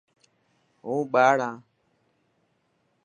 هون ٻاڙ هان.